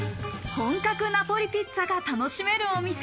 本格ナポリピッツァが楽しめるお店。